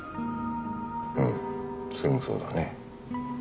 うんそれもそうだね。